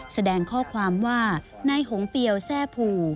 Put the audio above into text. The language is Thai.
แสดงข้อความว่าในหงเปี่ยวแซ่ผู